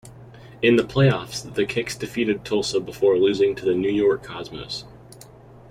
In the playoffs, the Kicks defeated Tulsa before losing to the New York Cosmos.